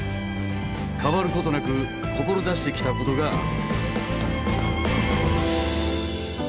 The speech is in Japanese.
変わることなく志してきたことがある。